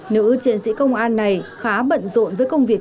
nữ chiến sĩ công an này khá bận rộn với công việc